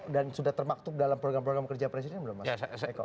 dan sudah termaktub dalam program program kerja presiden belum mas